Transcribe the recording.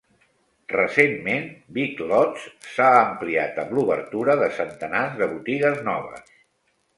Recentment, Big Lots s'ha ampliat amb l'obertura de centenars de botigues noves.